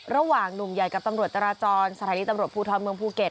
ระหว่างหนุ่มใหญ่กับตำรวจจราจรสถานีตำรวจภูทรเมืองภูเก็ต